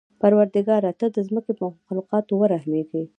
پروردګاره! ته د ځمکې په مخلوقاتو ورحمېږه.